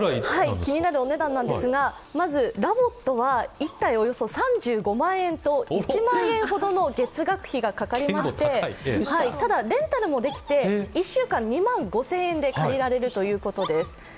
気になるお値段なんですが、ＬＯＶＯＴは１体３５万円と１万円ほどの月額費がかかりましてただ、レンタルもできて、１週間２万５０００円で借りられるそうです。